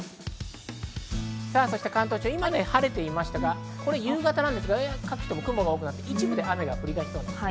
関東地方は今、晴れていましたが、夕方ですが、やや雲が多くなって、一部で雨が降り出します。